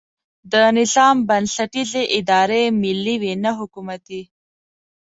د نظام بنسټیزې ادارې ملي وي نه حکومتي.